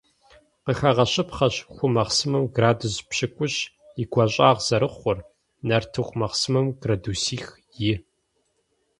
Къыхэгъэщыпхъэщ ху махъсымэм градус пщыкIущ и гуащIагъ зэрыхъур, нартыху махъсымэм - градусих-и.